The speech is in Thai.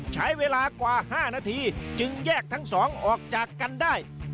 ใช้เวลากว่า๕นาทีจึงแยกทั้งสองออกจากกันได้